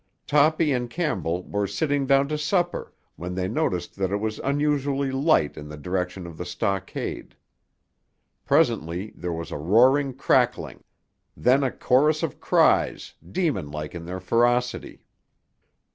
Toppy and Campbell were sitting down to supper when they noticed that it was unusually light in the direction of the stockade. Presently there was a roaring crackling; then a chorus of cries, demonlike in their ferocity.